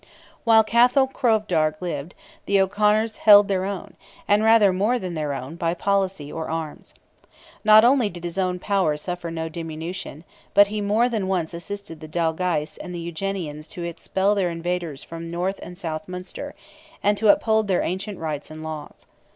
While Cathal Crovdearg lived, the O'Conor's held their own, and rather more than their own, by policy or arms. Not only did his own power suffer no diminution, but he more than once assisted the Dalgais and the Eugenians to expel their invaders from North and South Munster, and to uphold their ancient rights and laws.